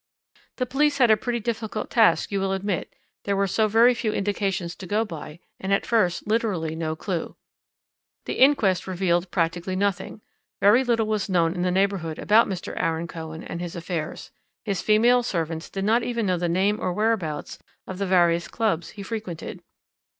"The police had a pretty difficult task, you will admit; there were so very few indications to go by, and at first literally no clue. "The inquest revealed practically nothing. Very little was known in the neighbourhood about Mr. Aaron Cohen and his affairs. His female servants did not even know the name or whereabouts of the various clubs he frequented.